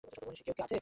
কেউ কি আছে?